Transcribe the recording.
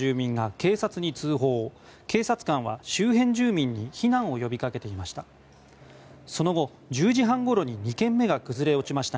警察官は、周辺住民に避難を呼びかけていました。